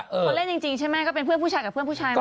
เขาเล่นจริงใช่ไหมก็เป็นเพื่อนผู้ชายกับเพื่อนผู้ชายมา